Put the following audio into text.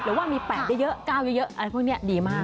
หรือว่ามี๘เยอะ๙เยอะอะไรพวกนี้ดีมาก